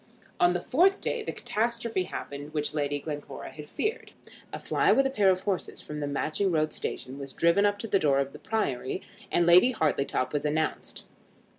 On the fourth day the catastrophe happened which Lady Glencora had feared. A fly with a pair of horses from the Matching Road station was driven up to the door of the Priory, and Lady Hartletop was announced.